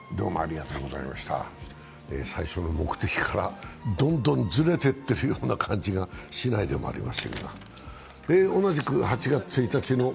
最初の目的からどんどんずれていってるような感じがしないでもないですね。